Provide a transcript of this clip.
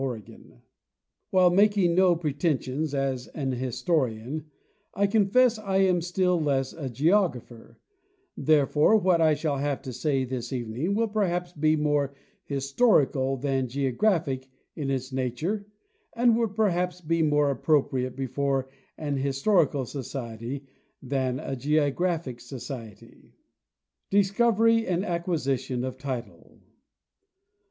Mitchell—Oregon While making no pretensions as an historian, I confess I am still less a geographer; therefore what I shall have to say this evening will perhaps be more historical than geographic in its nature and would perhaps be more appropriate before an histor ical than a geographic society. Discovery and Acquisition of Title.